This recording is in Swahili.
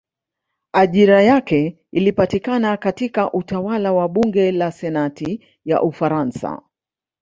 Ajira yake ilipatikana katika utawala wa bunge la senati ya Ufaransa.